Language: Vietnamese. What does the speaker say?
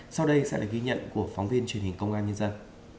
sau đây sẽ là ghi nhận của phóng viên truyền hình công an nhân dân